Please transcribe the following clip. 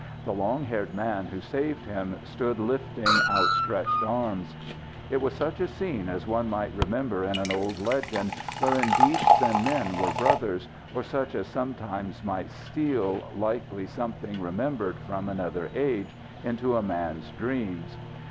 The long haired man who saved him stood lifting upstretched arms. It was such as scene as one might remember in an old legend, wherein beasts and men were brothers, or such as sometimes might steal, likely something remembered from another age, into a man's dreams.